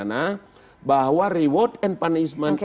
karena bahwa reward and punishment